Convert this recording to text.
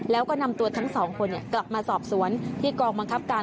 แล้วก็นำตัวทั้งสองคนกลับมาสอบสวนที่กองบังคับการ